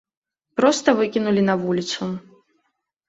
Проста выкінулі на вуліцу.